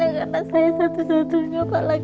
yang naiknya anak saya satu satunya pak laki laki